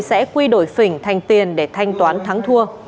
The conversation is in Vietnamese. sẽ quy đổi phỉnh thành tiền để thanh toán thắng thua